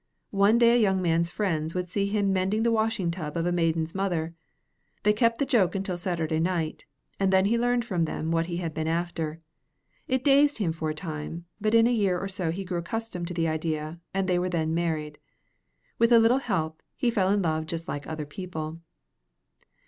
One day a young man's friends would see him mending the washing tub of a maiden's mother. They kept the joke until Saturday night, and then he learned from them what he had been after. It dazed him for a time, but in a year or so he grew accustomed to the idea, and they were then married. With a little help, he fell in love just like other people.